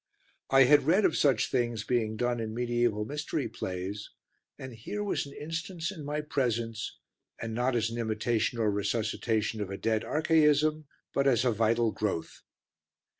I had read of such things being done in mediaeval mystery plays, and here was an instance in my presence and not as an imitation or resuscitation of a dead archaism but as a vital growth.